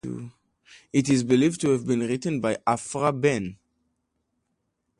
It is believed to have been written by Aphra Behn.